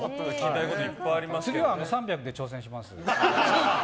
次は３００で挑戦します。